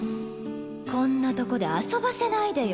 こんなとこで遊ばせないでよ。